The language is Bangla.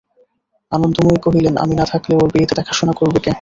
আনন্দময়ী কহিলেন, আমি না থাকলে ওর বিয়েতে দেখাশুনা করবে কে?